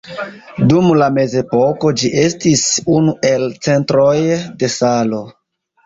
Dum la mezepoko ĝi estis unu el centroj de salo.